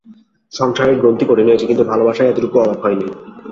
সংসারের গ্রন্থি কঠিন হয়েছে, কিন্তু ভালোবাসার একটুকুও অভাব হয় নি।